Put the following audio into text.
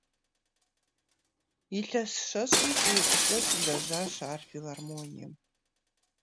Илъэс щэщӏым щӏигъукӏэ щылэжьащ ар филармонием.